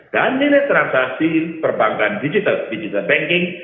dan nilai transaksi perbankan digital digital banking